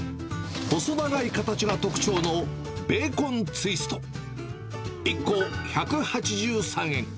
細長い形が特徴の、ベーコンツイスト１個１８３円。